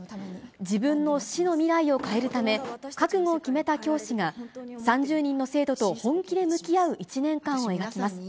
自分の死の未来を変えるため、覚悟を決めた教師が３０人の生徒と本気で向き合う１年間を描きます。